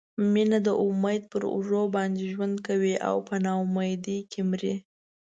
مینه د امید پر اوږو باندې ژوند کوي او په نا امیدۍ کې مري.